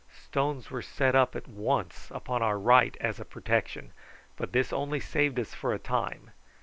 Stones were set up at once upon our right as a protection, but this only saved us for a time.